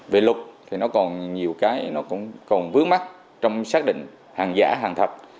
về lục thì nó còn nhiều cái nó còn vướng mắt trong xác định hàng giả hàng thật